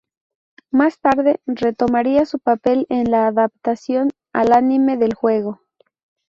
Más tarde retomaría su papel en la adaptación al anime del juego.